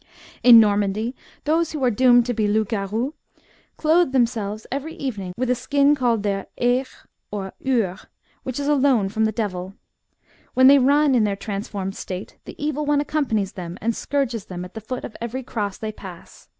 In Normandy, those who are doomed to be loups garoux, clothe themselves every evening with a skin called their here or hure, which is a loan from the devil. When they run in their transformed state, the evil one accompanies them and scourges them at the foot of every cross they pass.